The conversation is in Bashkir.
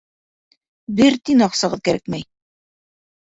Бер тин аҡсағыҙ кәрәкмәй.